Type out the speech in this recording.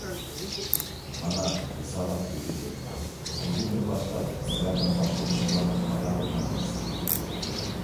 مانا، ھېسابات تۈگىدى. بۈگۈندىن باشلاپ سىلەرنىڭ باشقۇرۇشۇڭلارغا تەۋە بولمايمىز!